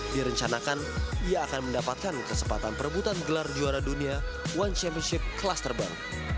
direncanakan ia akan mendapatkan kesempatan perebutan gelar juara dunia one championship kelas terbang